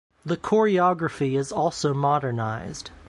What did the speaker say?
The choreography is also modernized.